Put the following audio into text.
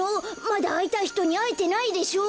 まだあいたいひとにあえてないでしょ！